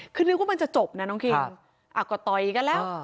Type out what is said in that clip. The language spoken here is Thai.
คือนึกว่ามันจะจบนะน้องคิงก็ต่อยกันแล้ว